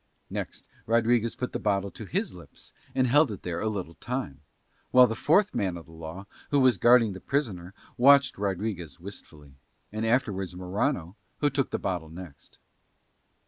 Next Rodriguez put the bottle to his lips and held it there a little time, while the fourth man of the law, who was guarding the prisoner, watched Rodriguez wistfully, and afterwards Morano, who took the bottle next.